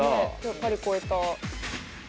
・パリ越えた。